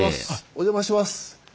お邪魔します。